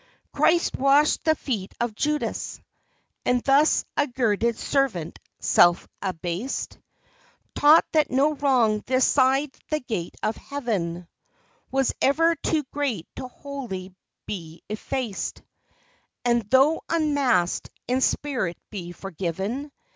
Christ washed the feet of Judas! And thus a girded servant, self abased, Taught that no wrong this side the gate of heaven Was ever too great to wholly be effaced, And though unasked, in spirit be forgiven.